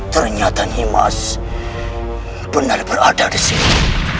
ternyata nimas benar berada di sini